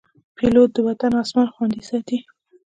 پیلوټ د وطن اسمان خوندي ساتي.